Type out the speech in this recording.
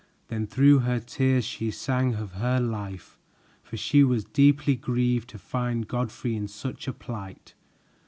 Then through her tears she sang of her life, for she was deeply grieved to find Godfrey in such a plight.